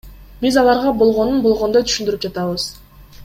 Биз аларга болгонун болгондой түшүндүрүп жатабыз.